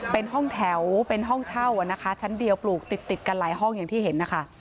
เป็นห้องแถวเป็นห้องเช่านะคะชั้นเดียวปลูกติดกันหลายห้องอย่างที่เห็นนะคะ